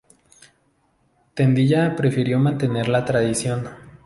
Tendilla prefirió mantener la tradición.